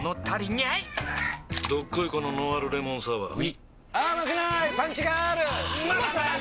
どっこいこのノンアルレモンサワーうぃまさに！